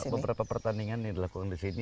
sudah ada beberapa pertandingan yang dilakukan di sini